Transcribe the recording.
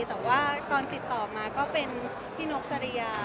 แต่ว่าตอนติดต่อมาก็เป็นพี่นกสริยา